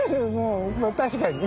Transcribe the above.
確かにね。